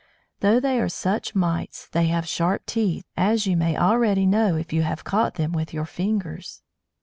Though they are such mites, they have sharp teeth, as you may already know if you have caught them with your fingers!